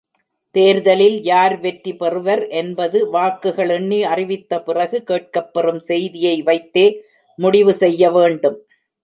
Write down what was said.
தேர்தலில் யார் வெற்றி பெறுவார் என்பது வாக்குகள் எண்ணி அறிவித்தப் பிறகு, கேட்கப்பெறும் செய்தியை வைத்தே முடிவு செய்யவேண்டும்.